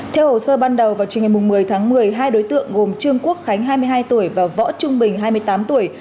theo hồ sơ ban đầu vào chiều ngày một mươi tháng một mươi hai đối tượng gồm trương quốc khánh hai mươi hai tuổi và võ trung bình hai mươi tám tuổi